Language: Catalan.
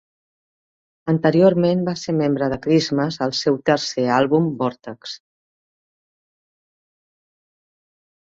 Anteriorment va ser membre de Christmas al seu tercer àlbum "Vortex".